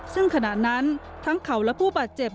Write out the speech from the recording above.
ซึ่งขณะนั้นทั้งเขาและผู้บาดเจ็บ